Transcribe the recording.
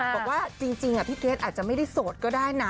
บอกว่าจริงพี่เกรทอาจจะไม่ได้โสดก็ได้นะ